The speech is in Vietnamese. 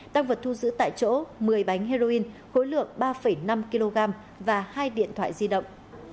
tăng vật thu giữ tại chỗ một mươi bánh heroin khối lượng ba năm kg và hai điện thoại di động